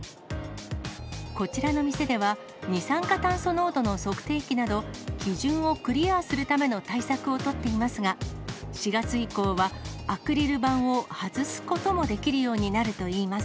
こちらの店では、二酸化炭素濃度の測定器など、基準をクリアするための対策を取っていますが、４月以降は、アクリル板を外すこともできるようになるといいます。